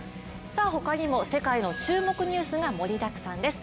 他にも世界の注目ニュースが盛りだくさんです。